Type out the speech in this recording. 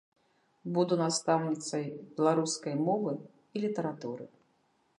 Буду настаўніцай беларускай мовы і літаратуры.